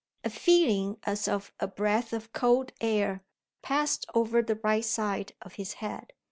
A feeling as of a breath of cold air passed over the right side of his head.